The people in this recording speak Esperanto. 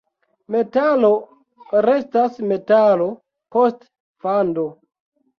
Metalo restas metalo post fando.